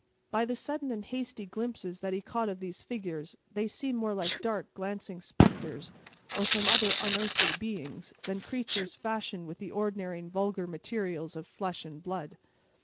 By the sudden and hasty glimpses that he caught of these figures, they seemed more like dark, glancing specters, or some other unearthly beings, than creatures fashioned with the ordinary and vulgar materials of flesh and blood.